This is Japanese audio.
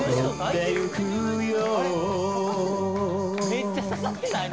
めっちゃ刺さってない？